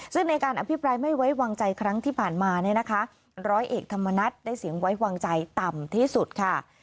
ซึ่งในการอภิปรายไม่ไว้วางใจครั้งที่ผ่านมาเนี่ยนะคะร้อยเอกธรรมนัฐได้เสียงไว้วางใจต่ำที่สุดค่ะ